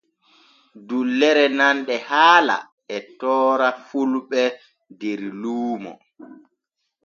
Dullere nanɗe haala e toora fulɓe der luuno.